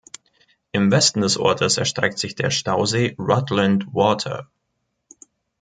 Im Westen des Ortes erstreckt sich der Stausee Rutland Water.